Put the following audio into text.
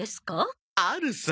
あるさ！